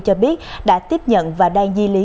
cho biết đã tiếp nhận và đang di lý